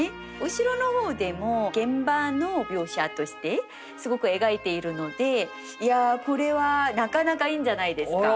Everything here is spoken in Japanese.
後ろの方でも現場の描写としてすごく描いているのでいやこれはなかなかいいんじゃないですか。